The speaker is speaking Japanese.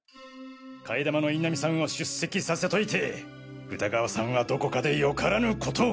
替え玉の印南さんを出席させといて歌川さんはどこかでよからぬことを。